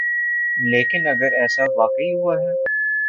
لیکن اگر ایسا واقعی ہوا ہے۔